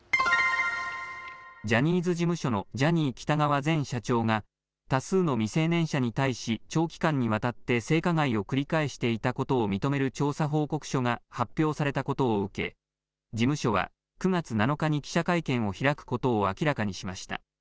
ジャニーズ事務所のジャニー喜多川前社長が多数の未成年者に対し長期間にわたって性加害を繰り返していたことを認める調査報告書が発表されたことを受け事務所は９月７日に記者会見を開くことを明らかにしました。